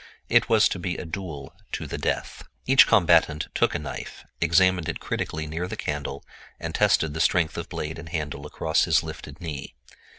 It was to be a duel to the death. Each combatant took a knife, examined it critically near the candle and tested the strength of the blade and handle across his lifted knee.